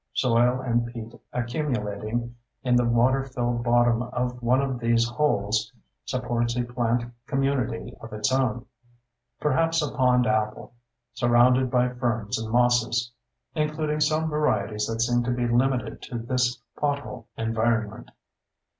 Soil and peat accumulating in the water filled bottom of one of these holes supports a plant community of its own: perhaps a pond apple, surrounded by ferns and mosses (including some varieties that seem to be limited to this pothole environment).